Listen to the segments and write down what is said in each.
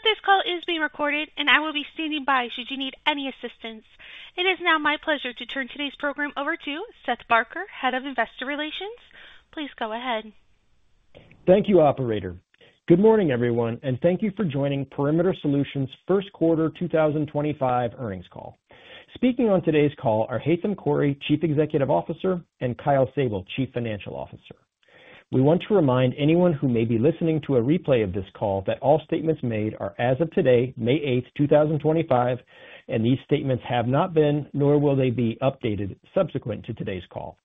Please note this call is being recorded, and I will be standing by should you need any assistance. It is now my pleasure to turn today's program over to Seth Barker, Head of Investor Relations. Please go ahead. Thank you, Operator. Good morning, everyone, and thank you for joining Perimeter Solutions' first quarter 2025 earnings call. Speaking on today's call are Haitham Khouri, Chief Executive Officer, and Kyle Sable, Chief Financial Officer. We want to remind anyone who may be listening to a replay of this call that all statements made are, as of today, May 8th, 2025, and these statements have not been, nor will they be, updated subsequent to today's call.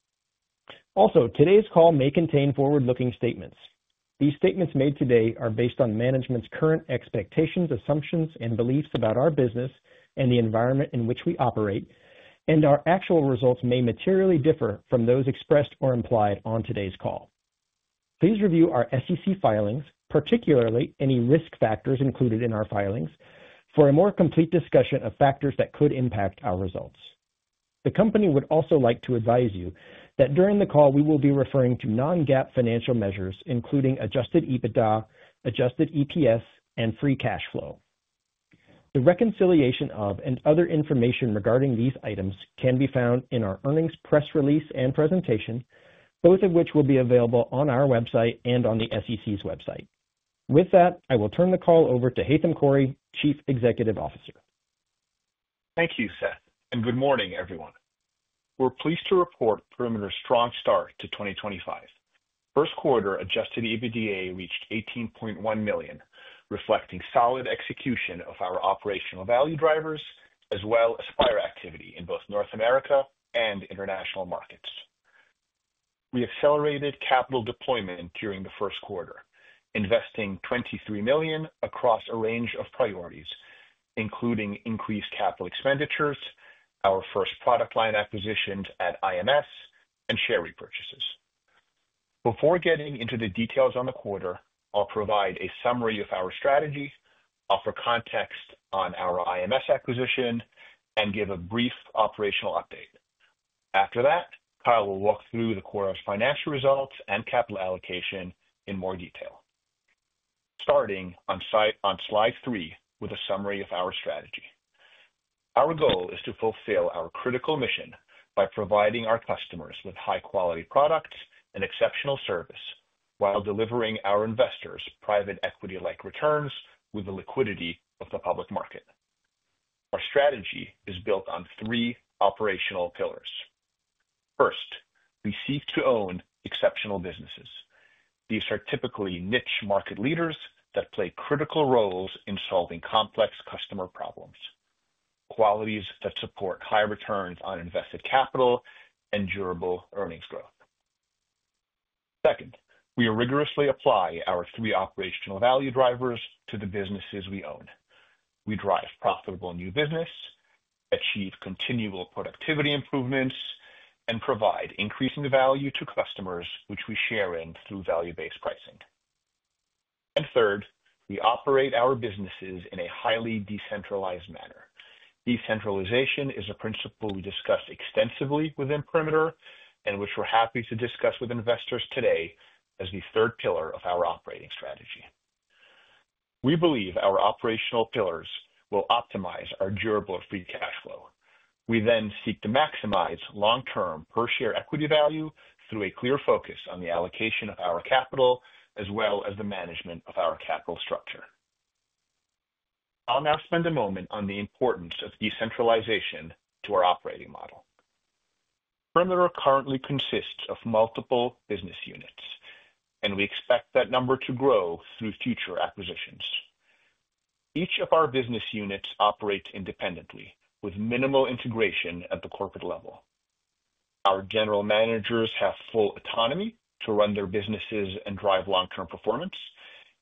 Also, today's call may contain forward-looking statements. These statements made today are based on management's current expectations, assumptions, and beliefs about our business and the environment in which we operate, and our actual results may materially differ from those expressed or implied on today's call. Please review our SEC filings, particularly any risk factors included in our filings, for a more complete discussion of factors that could impact our results. The company would also like to advise you that during the call we will be referring to non-GAAP financial measures, including adjusted EBITDA, adjusted EPS, and free cash flow. The reconciliation of and other information regarding these items can be found in our earnings press release and presentation, both of which will be available on our website and on the SEC's website. With that, I will turn the call over to Haitham Khouri, Chief Executive Officer. Thank you, Seth, and good morning, everyone. We're pleased to report Perimeter's strong start to 2025. First quarter adjusted EBITDA reached $18.1 million, reflecting solid execution of our operational value drivers as well as fire activity in both North America and international markets. We accelerated capital deployment during the first quarter, investing $23 million across a range of priorities, including increased capital expenditures, our first product line acquisitions at IMS, and share repurchases. Before getting into the details on the quarter, I'll provide a summary of our strategy, offer context on our IMS acquisition, and give a brief operational update. After that, Kyle will walk through the quarter's financial results and capital allocation in more detail, starting on slide three with a summary of our strategy. Our goal is to fulfill our critical mission by providing our customers with high-quality products and exceptional service while delivering our investors private equity-like returns with the liquidity of the public market. Our strategy is built on three operational pillars. First, we seek to own exceptional businesses. These are typically niche market leaders that play critical roles in solving complex customer problems, qualities that support high returns on invested capital and durable earnings growth. Second, we rigorously apply our three operational value drivers to the businesses we own. We drive profitable new business, achieve continual productivity improvements, and provide increasing value to customers, which we share in through value-based pricing. Third, we operate our businesses in a highly decentralized manner. Decentralization is a principle we discuss extensively within Perimeter and which we're happy to discuss with investors today as the third pillar of our operating strategy. We believe our operational pillars will optimize our durable free cash flow. We then seek to maximize long-term per-share equity value through a clear focus on the allocation of our capital as well as the management of our capital structure. I'll now spend a moment on the importance of decentralization to our operating model. Perimeter currently consists of multiple business units, and we expect that number to grow through future acquisitions. Each of our business units operates independently, with minimal integration at the corporate level. Our general managers have full autonomy to run their businesses and drive long-term performance.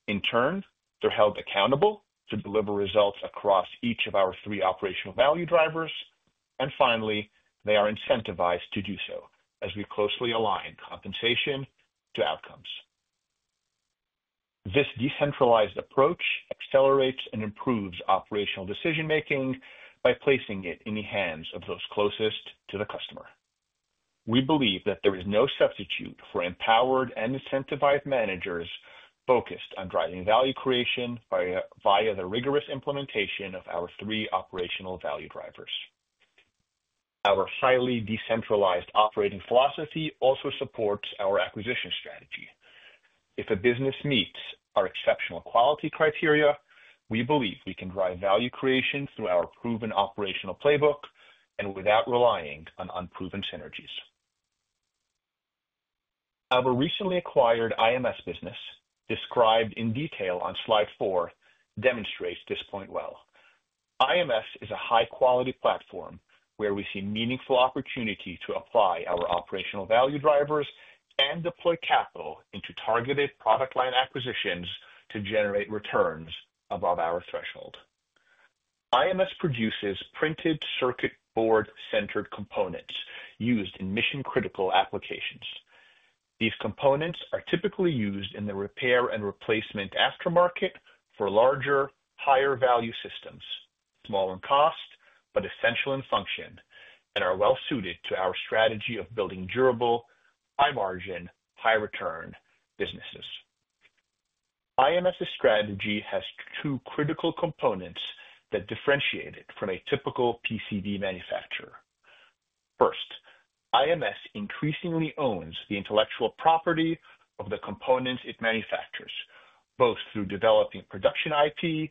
In turn, they're held accountable to deliver results across each of our three operational value drivers. Finally, they are incentivized to do so as we closely align compensation to outcomes. This decentralized approach accelerates and improves operational decision-making by placing it in the hands of those closest to the customer. We believe that there is no substitute for empowered and incentivized managers focused on driving value creation via the rigorous implementation of our three operational value drivers. Our highly decentralized operating philosophy also supports our acquisition strategy. If a business meets our exceptional quality criteria, we believe we can drive value creation through our proven operational playbook and without relying on unproven synergies. Our recently acquired IMS business, described in detail on slide four, demonstrates this point well. IMS is a high-quality platform where we see meaningful opportunity to apply our operational value drivers and deploy capital into targeted product line acquisitions to generate returns above our threshold. IMS produces printed circuit board-centered components used in mission-critical applications. These components are typically used in the repair and replacement aftermarket for larger, higher-value systems, small in cost but essential in function, and are well-suited to our strategy of building durable, high-margin, high-return businesses. IMS's strategy has two critical components that differentiate it from a typical PCB manufacturer. First, IMS increasingly owns the intellectual property of the components it manufactures, both through developing production IP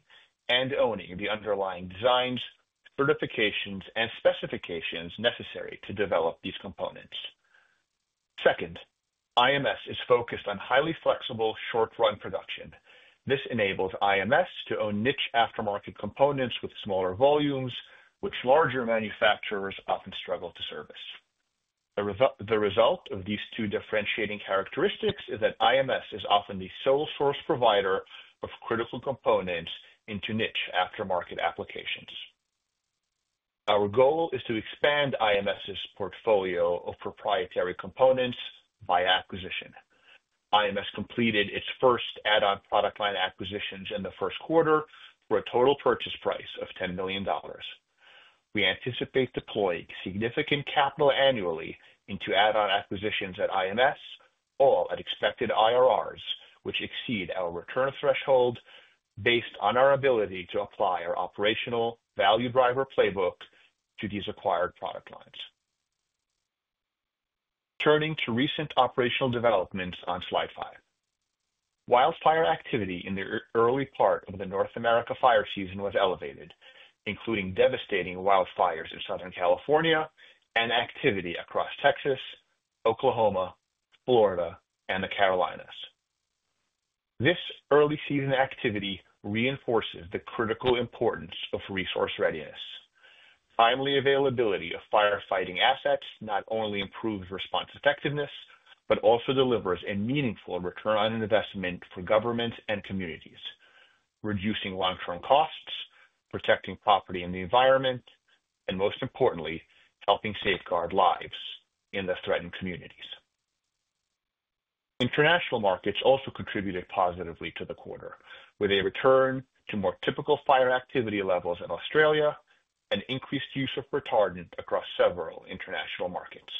and owning the underlying designs, certifications, and specifications necessary to develop these components. Second, IMS is focused on highly flexible, short-run production. This enables IMS to own niche aftermarket components with smaller volumes, which larger manufacturers often struggle to service. The result of these two differentiating characteristics is that IMS is often the sole source provider of critical components into niche aftermarket applications. Our goal is to expand IMS's portfolio of proprietary components by acquisition. IMS completed its first add-on product line acquisitions in the first quarter for a total purchase price of $10 million. We anticipate deploying significant capital annually into add-on acquisitions at IMS, all at expected IRRs, which exceed our return threshold based on our ability to apply our operational value driver playbook to these acquired product lines. Turning to recent operational developments on slide five, wildfire activity in the early part of the North America fire season was elevated, including devastating wildfires in Southern California and activity across Texas, Oklahoma, Florida, and the Carolinas. This early season activity reinforces the critical importance of resource readiness. Timely availability of firefighting assets not only improves response effectiveness but also delivers a meaningful return on investment for governments and communities, reducing long-term costs, protecting property and the environment, and most importantly, helping safeguard lives in the threatened communities. International markets also contributed positively to the quarter, with a return to more typical fire activity levels in Australia and increased use of retardant across several international markets.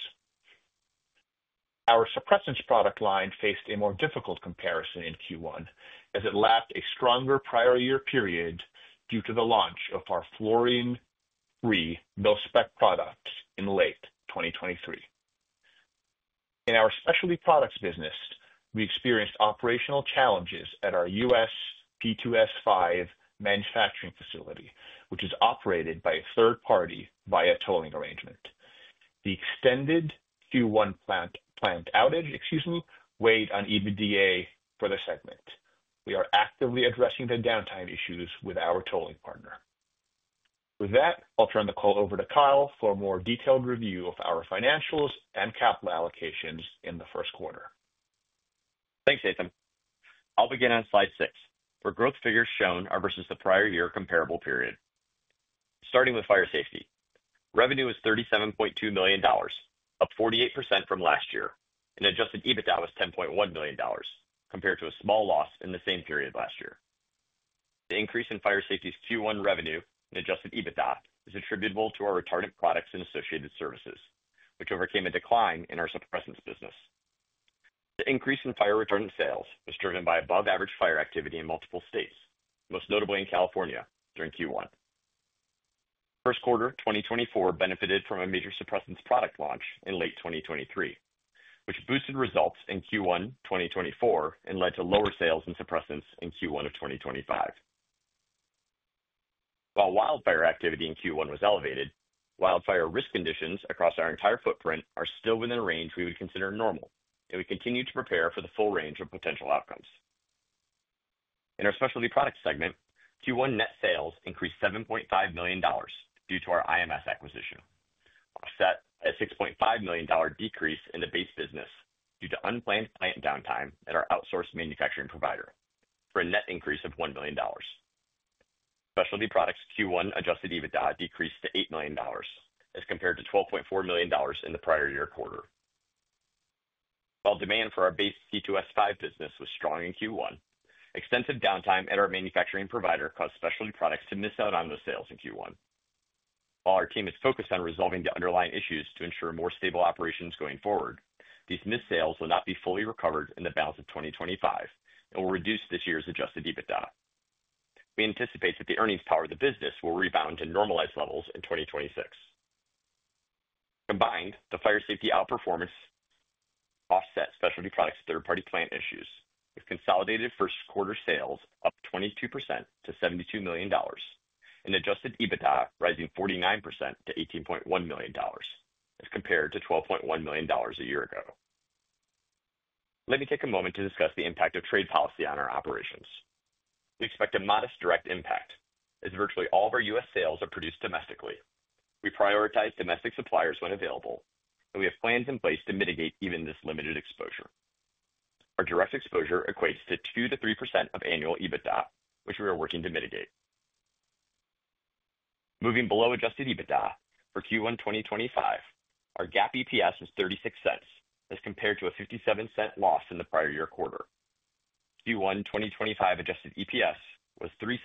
Our suppressants product line faced a more difficult comparison in Q1 as it lacked a stronger prior year period due to the launch of our fluorine-free mil-spec products in late 2023. In our specialty products business, we experienced operational challenges at our US P2S5 manufacturing facility, which is operated by a third party via tolling arrangement. The extended Q1 plant outage, excuse me, weighed on EBITDA for the segment. We are actively addressing the downtime issues with our tolling partner. With that, I'll turn the call over to Kyle for a more detailed review of our financials and capital allocations in the first quarter. Thanks, Haitham. I'll begin on slide six. For growth figures shown are versus the prior year comparable period. Starting with fire safety, revenue was $37.2 million, up 48% from last year, and adjusted EBITDA was $10.1 million compared to a small loss in the same period last year. The increase in fire safety's Q1 revenue and adjusted EBITDA is attributable to our retardant products and associated services, which overcame a decline in our suppressants business. The increase in fire retardant sales was driven by above-average fire activity in multiple states, most notably in California during Q1. First quarter 2024 benefited from a major suppressants product launch in late 2023, which boosted results in Q1 2024 and led to lower sales in suppressants in Q1 of 2025. While wildfire activity in Q1 was elevated, wildfire risk conditions across our entire footprint are still within a range we would consider normal, and we continue to prepare for the full range of potential outcomes. In our specialty products segment, Q1 net sales increased $7.5 million due to our IMS acquisition, offset a $6.5 million decrease in the base business due to unplanned plant downtime at our outsourced manufacturing provider for a net increase of $1 million. Specialty products Q1 adjusted EBITDA decreased to $8 million as compared to $12.4 million in the prior year quarter. While demand for our base P2S5 business was strong in Q1, extensive downtime at our manufacturing provider caused specialty products to miss out on those sales in Q1. While our team is focused on resolving the underlying issues to ensure more stable operations going forward, these missed sales will not be fully recovered in the balance of 2025 and will reduce this year's adjusted EBITDA. We anticipate that the earnings power of the business will rebound to normalized levels in 2026. Combined, the fire safety outperformance offsets specialty products' third-party plant issues, with consolidated first quarter sales up 22% to $72 million, and adjusted EBITDA rising 49% to $18.1 million as compared to $12.1 million a year ago. Let me take a moment to discuss the impact of trade policy on our operations. We expect a modest direct impact as virtually all of our US sales are produced domestically. We prioritize domestic suppliers when available, and we have plans in place to mitigate even this limited exposure. Our direct exposure equates to 2%-3% of annual EBITDA, which we are working to mitigate. Moving below adjusted EBITDA for Q1 2025, our GAAP EPS was $0.36 as compared to a $0.57 loss in the prior year quarter. Q1 2025 adjusted EPS was $0.03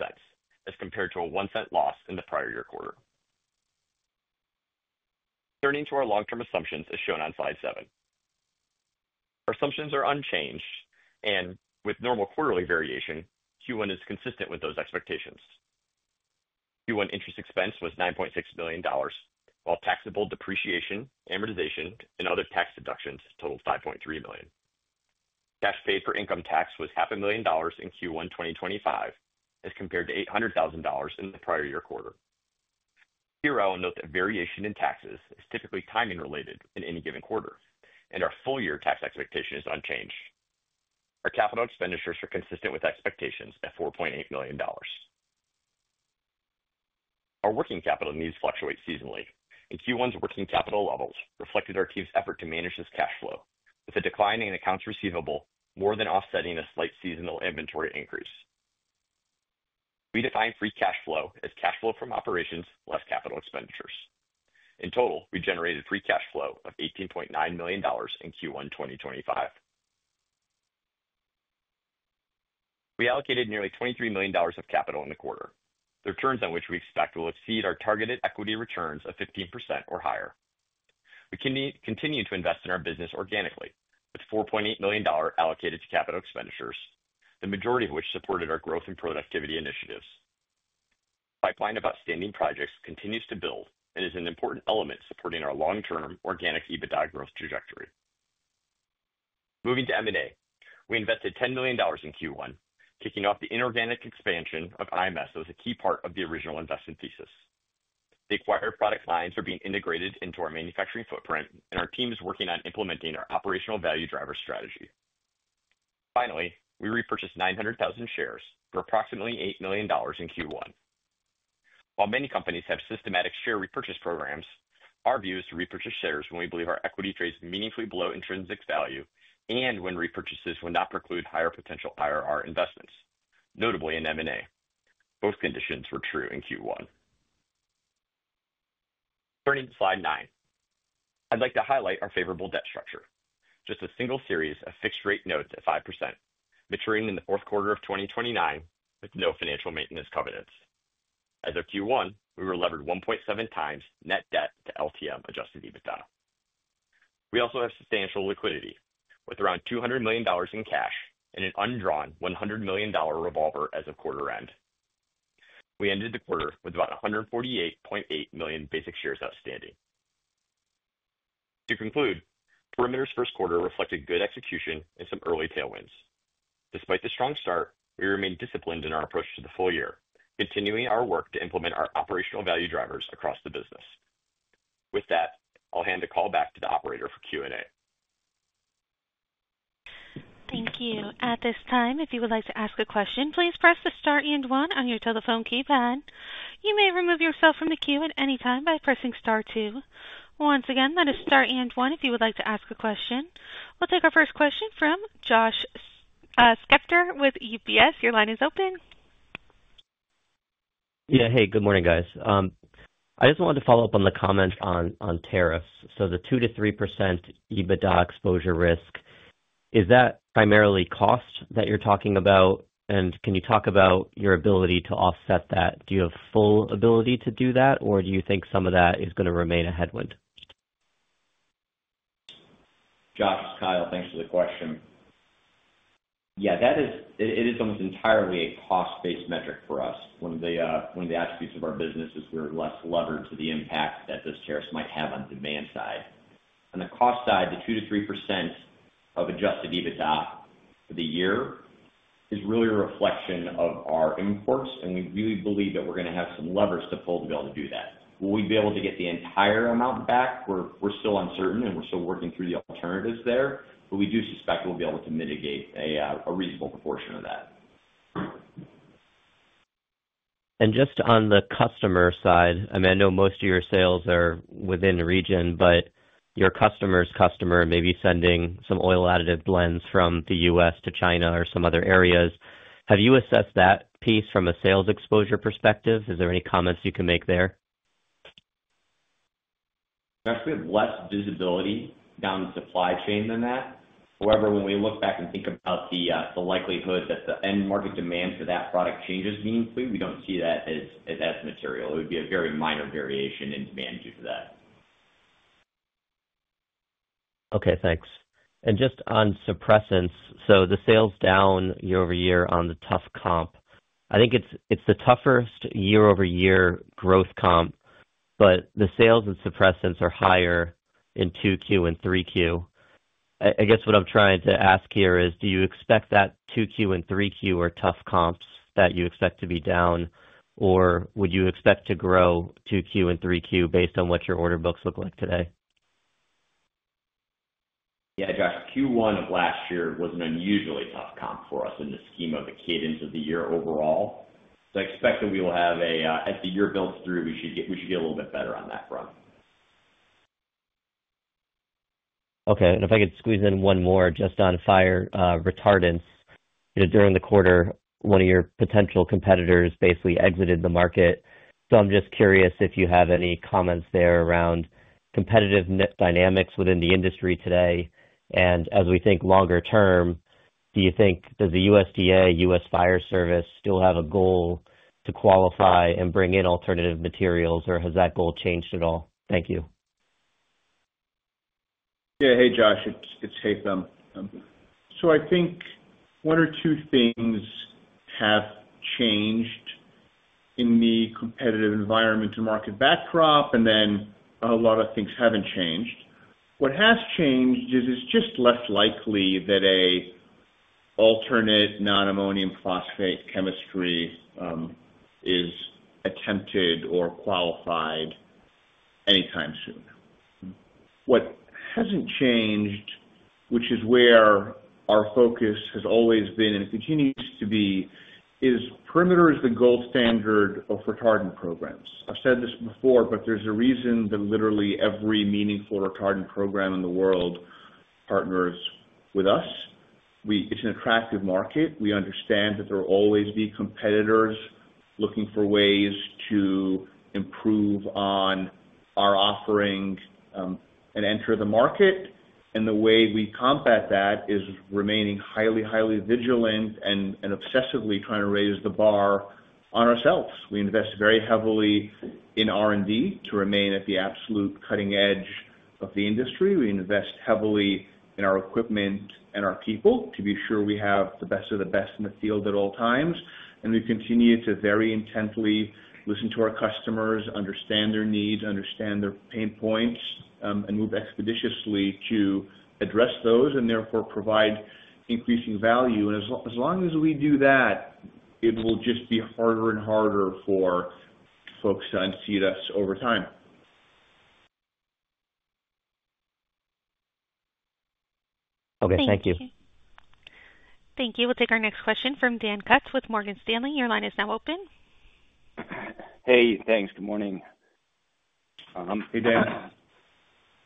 as compared to a $0.01 loss in the prior year quarter. Turning to our long-term assumptions as shown on slide seven, our assumptions are unchanged, and with normal quarterly variation, Q1 is consistent with those expectations. Q1 interest expense was $9.6 million, while taxable depreciation, amortization, and other tax deductions totaled $5.3 million. Cash paid for income tax was $500,000 in Q1 2025 as compared to $800,000 in the prior year quarter. Here I'll note that variation in taxes is typically timing-related in any given quarter, and our full-year tax expectation is unchanged. Our capital expenditures are consistent with expectations at $4.8 million. Our working capital needs fluctuate seasonally, and Q1's working capital levels reflected our team's effort to manage this cash flow, with a decline in accounts receivable more than offsetting a slight seasonal inventory increase. We define free cash flow as cash flow from operations less capital expenditures. In total, we generated free cash flow of $18.9 million in Q1 2025. We allocated nearly $23 million of capital in the quarter, the returns on which we expect will exceed our targeted equity returns of 15% or higher. We continue to invest in our business organically, with $4.8 million allocated to capital expenditures, the majority of which supported our growth and productivity initiatives. Pipeline of outstanding projects continues to build and is an important element supporting our long-term organic EBITDA growth trajectory. Moving to M&A, we invested $10 million in Q1, kicking off the inorganic expansion of IMS that was a key part of the original investment thesis. The acquired product lines are being integrated into our manufacturing footprint, and our team is working on implementing our operational value driver strategy. Finally, we repurchased 900,000 shares for approximately $8 million in Q1. While many companies have systematic share repurchase programs, our view is to repurchase shares when we believe our equity trades meaningfully below intrinsic value and when repurchases will not preclude higher potential IRR investments, notably in M&A. Both conditions were true in Q1. Turning to slide nine, I'd like to highlight our favorable debt structure, just a single series of fixed-rate notes at 5%, maturing in the fourth quarter of 2029 with no financial maintenance covenants. As of Q1, we were levered 1.7 times net debt to LTM adjusted EBITDA. We also have substantial liquidity with around $200 million in cash and an undrawn $100 million revolver as of quarter end. We ended the quarter with about 148.8 million basic shares outstanding. To conclude, Perimeter's first quarter reflected good execution and some early tailwinds. Despite the strong start, we remained disciplined in our approach to the full year, continuing our work to implement our operational value drivers across the business. With that, I'll hand the call back to the operator for Q&A. Thank you. At this time, if you would like to ask a question, please press the Star and 1 on your telephone keypad. You may remove yourself from the queue at any time by pressing Star 2. Once again, that is Star and 1 if you would like to ask a question. We'll take our first question from Josh Spector with UBS. Your line is open. Yeah, hey, good morning, guys. I just wanted to follow up on the comments on tariffs. The 2%-3% EBITDA exposure risk, is that primarily cost that you're talking about? Can you talk about your ability to offset that? Do you have full ability to do that, or do you think some of that is going to remain a headwind? Josh, Kyle, thanks for the question. Yeah, that is, it is almost entirely a cost-based metric for us. One of the attributes of our business is we're less levered to the impact that this tariff might have on the demand side. On the cost side, the 2%-3% of adjusted EBITDA for the year is really a reflection of our imports, and we really believe that we're going to have some levers to pull to be able to do that. Will we be able to get the entire amount back? We're still uncertain, and we're still working through the alternatives there, but we do suspect we'll be able to mitigate a reasonable proportion of that. Just on the customer side, I mean, I know most of your sales are within the region, but your customer's customer may be sending some oil-additive blends from the US to China or some other areas. Have you assessed that piece from a sales exposure perspective? Is there any comments you can make there? Yes, we have less visibility down the supply chain than that. However, when we look back and think about the likelihood that the end market demand for that product changes meaningfully, we do not see that as material. It would be a very minor variation in demand due to that. Okay, thanks. Just on suppressants, the sales down year over year on the tough comp, I think it's the toughest year-over-year growth comp, but the sales in suppressants are higher in 2Q and 3Q. I guess what I'm trying to ask here is, do you expect that 2Q and 3Q are tough comps that you expect to be down, or would you expect to grow 2Q and 3Q based on what your order books look like today? Yeah, Josh, Q1 of last year was an unusually tough comp for us in the scheme of the cadence of the year overall. I expect that we will have, as the year builds through, we should get a little bit better on that front. Okay, and if I could squeeze in one more just on fire retardants, during the quarter, one of your potential competitors basically exited the market. I'm just curious if you have any comments there around competitive dynamics within the industry today. As we think longer term, do you think does the USDA, US Forest Service still have a goal to qualify and bring in alternative materials, or has that goal changed at all? Thank you. Yeah, hey, Josh, it's Haitham. I think one or two things have changed in the competitive environment and market backdrop, and then a lot of things haven't changed. What has changed is it's just less likely that an alternate non-ammonium phosphate chemistry is attempted or qualified anytime soon. What hasn't changed, which is where our focus has always been and continues to be, is Perimeter is the gold standard of retardant programs. I've said this before, but there's a reason that literally every meaningful retardant program in the world partners with us. It's an attractive market. We understand that there will always be competitors looking for ways to improve on our offering and enter the market. The way we combat that is remaining highly, highly vigilant and obsessively trying to raise the bar on ourselves. We invest very heavily in R&D to remain at the absolute cutting edge of the industry. We invest heavily in our equipment and our people to be sure we have the best of the best in the field at all times. We continue to very intently listen to our customers, understand their needs, understand their pain points, and move expeditiously to address those and therefore provide increasing value. As long as we do that, it will just be harder and harder for folks to unseat us over time. Okay, thank you. Thank you. We'll take our next question from Daniel Kutz with Morgan Stanley. Your line is now open. Hey, thanks. Good morning. Hey, Dan.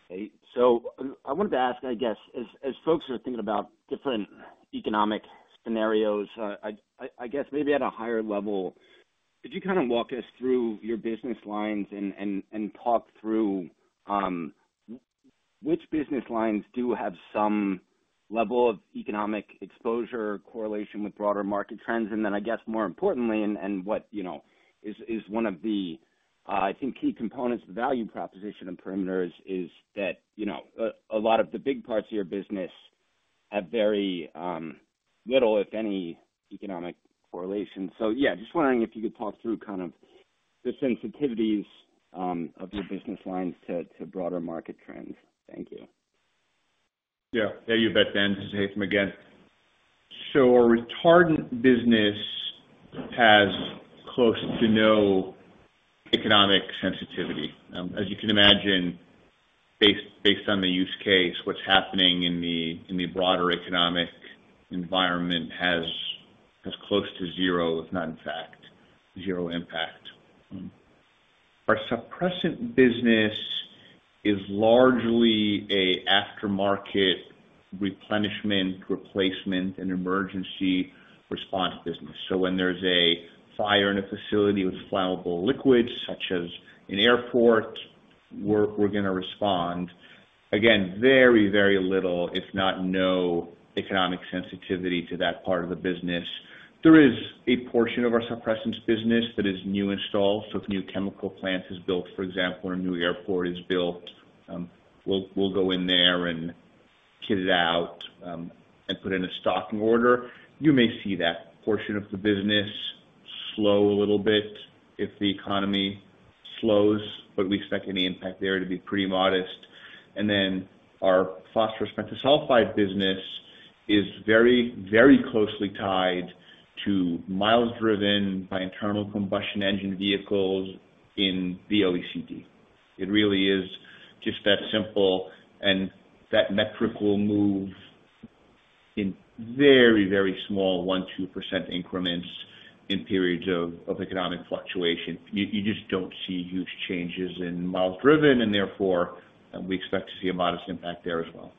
Hey. I wanted to ask, I guess, as folks are thinking about different economic scenarios, I guess maybe at a higher level, could you kind of walk us through your business lines and talk through which business lines do have some level of economic exposure correlation with broader market trends? More importantly, and what is one of the, I think, key components of the value proposition of Perimeter is that a lot of the big parts of your business have very little, if any, economic correlation. Yeah, just wondering if you could talk through kind of the sensitivities of your business lines to broader market trends. Thank you. Yeah, hey, you bet, Dan. This is Haitham again. Our retardant business has close to no economic sensitivity. As you can imagine, based on the use case, what is happening in the broader economic environment has close to zero, if not in fact, zero impact. Our suppressant business is largely an aftermarket replenishment, replacement, and emergency response business. When there is a fire in a facility with flammable liquids, such as an airport, we are going to respond. Again, very, very little, if not no economic sensitivity to that part of the business. There is a portion of our suppressants business that is new installed. If a new chemical plant is built, for example, or a new airport is built, we will go in there and kit it out and put in a stocking order. You may see that portion of the business slow a little bit if the economy slows, but we expect any impact there to be pretty modest. Our phosphorus pentasulfide business is very, very closely tied to miles driven by internal combustion engine vehicles in the OECD. It really is just that simple, and that metric will move in very, very small 1%-2% increments in periods of economic fluctuation. You just do not see huge changes in miles driven, and therefore we expect to see a modest impact there as well.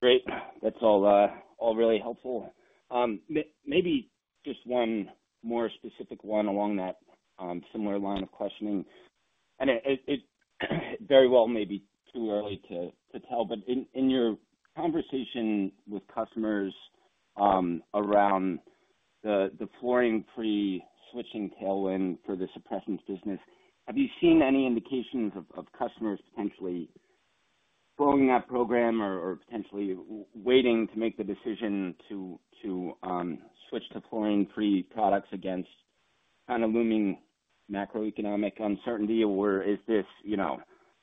Great. That's all really helpful. Maybe just one more specific one along that similar line of questioning. It very well may be too early to tell, but in your conversation with customers around the fluorine-free switching tailwind for the suppressants business, have you seen any indications of customers potentially following that program or potentially waiting to make the decision to switch to fluorine-free products against kind of looming macroeconomic uncertainty, or is this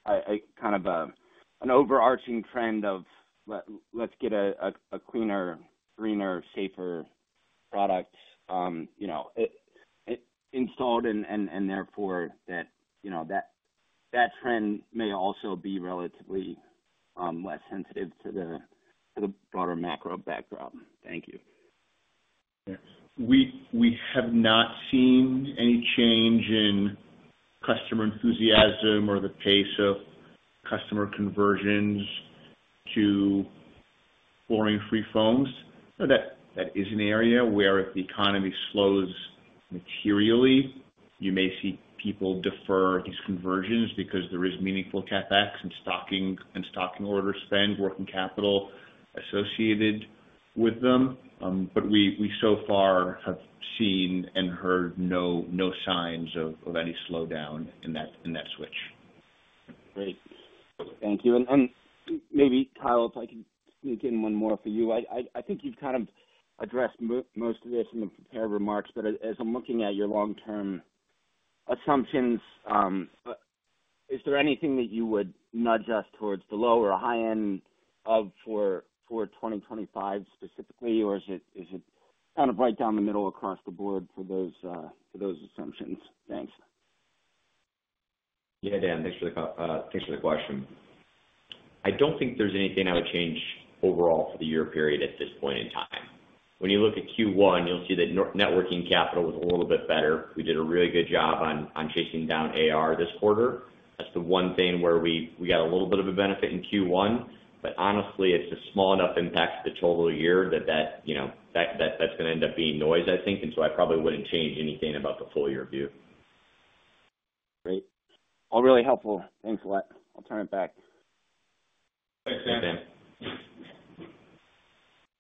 kind of an overarching trend of, "Let's get a cleaner, greener, safer product installed," and therefore that trend may also be relatively less sensitive to the broader macro backdrop? Thank you. We have not seen any change in customer enthusiasm or the pace of customer conversions to fluorine-free foams. That is an area where if the economy slows materially, you may see people defer these conversions because there is meaningful CapEx and stocking order spend, working capital associated with them. We so far have seen and heard no signs of any slowdown in that switch. Great. Thank you. Maybe, Kyle, if I could sneak in one more for you. I think you've kind of addressed most of this in the prepared remarks, but as I'm looking at your long-term assumptions, is there anything that you would nudge us towards the low or high end of for 2025 specifically, or is it kind of right down the middle across the board for those assumptions? Thanks. Yeah, Dan, thanks for the question. I do not think there is anything I would change overall for the year period at this point in time. When you look at Q1, you will see that networking capital was a little bit better. We did a really good job on chasing down AR this quarter. That is the one thing where we got a little bit of a benefit in Q1, but honestly, it is a small enough impact to the total year that that is going to end up being noise, I think. I probably would not change anything about the full year view. Great. All really helpful. Thanks a lot. I'll turn it back. Thanks, Dan.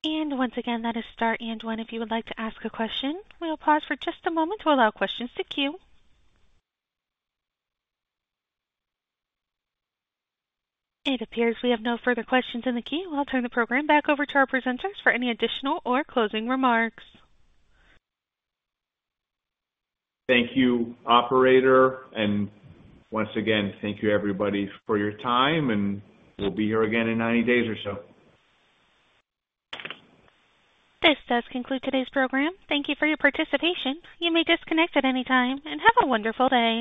Thanks, Dan. Once again, that is star and one. If you would like to ask a question, we'll pause for just a moment to allow questions to queue. It appears we have no further questions in the queue. I'll turn the program back over to our presenters for any additional or closing remarks. Thank you, operator. Thank you, everybody, for your time, and we'll be here again in 90 days or so. This does conclude today's program. Thank you for your participation. You may disconnect at any time and have a wonderful day.